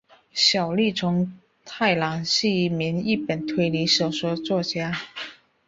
小栗虫太郎是一名日本推理小说作家。